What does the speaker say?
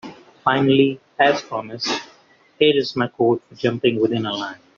Finally, as promised, here is my code for jumping within a line.